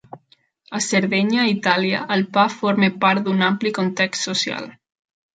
A Sardenya, Itàlia, el pa forma part d'un ampli context social.